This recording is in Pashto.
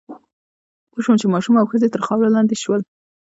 پوه شوم چې ماشومان او ښځې تر خاورو لاندې شول